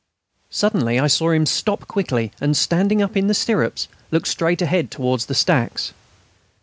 Suddenly I saw him stop quickly and, standing up in his stirrups, look straight ahead towards the stacks.